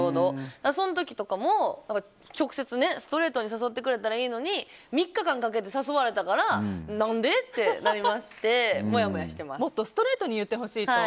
その時とかも、直接ストレートに誘ってくれたらいいのに３日間かけて誘われたから何で？ってなりましてもっとストレートに言ってほしいと。